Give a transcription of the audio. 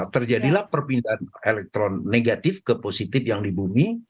terjadilah perpindahan elektronik negatif ke positif yang di bumi